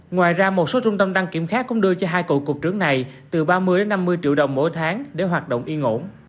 ngoài ra một số trung tâm đăng kiểm khác cũng đưa cho hai cậu cục trưởng này từ ba mươi năm mươi triệu đồng mỗi tháng để hoạt động yên ổn